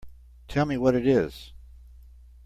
Tell me what it is.